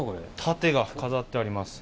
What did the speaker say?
盾が飾ってあります。